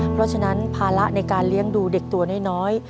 เพราะฉะนั้นภาระในการเลี้ยงดูเด็กตัวน้อย